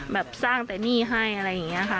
แบบสร้างแต่หนี้ให้อะไรอย่างนี้ค่ะ